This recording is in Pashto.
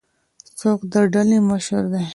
څوک د ډلي مشر دی؟